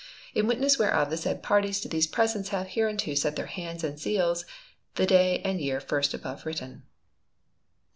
In witness whereof, the said parties to these presents have hereunto set their hands and seals, the day and year first above written.